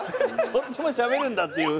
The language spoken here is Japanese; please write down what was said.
こっちもしゃべるんだっていう。